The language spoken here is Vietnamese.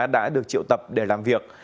đã được triệu tập để làm việc